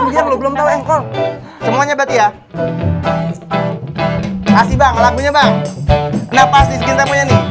semuanya berarti ya kasih bang lagunya bang